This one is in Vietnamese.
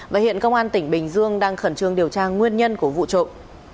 và hiện công an tỉnh bình dương đang khẩn trương điều tra nguyên nhân của vụ trộm